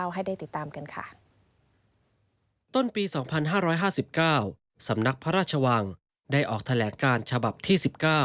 ให้ได้ติดตามกันค่ะต้นปี๒๕๕๙สำนักพระราชวังได้ออกแถลงการฉบับที่๑๙